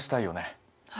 はい。